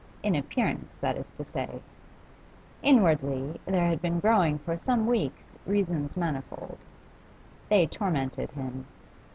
In appearance, that is to say; inwardly there had been growing for some weeks reasons manifold. They tormented him.